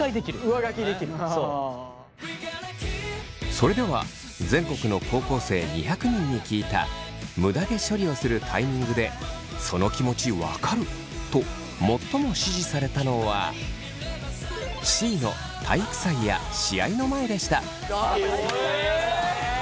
それでは全国の高校生２００人に聞いたむだ毛処理をするタイミングで「その気持ち分かる！」と最も支持されたのはあっ体育祭なんだ。え！